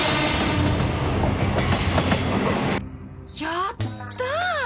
やったぁ！